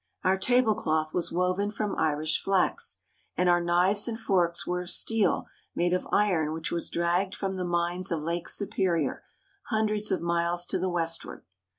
Our tablecloth was woven from Irish flax, and our knives and forks were of steel made of iron which was dragged from the mines of Lake Superior, hundreds of miles to the westward.